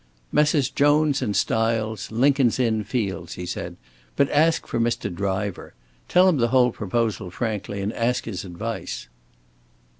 "Messrs. Jones and Stiles, Lincoln's Inn Fields," he said. "But ask for Mr. Driver. Tell him the whole proposal frankly, and ask his advice."